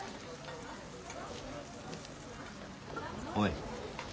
おい。